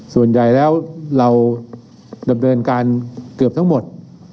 ส่วนใหญ่แล้วเราดำเนินการเกือบทั้งหมด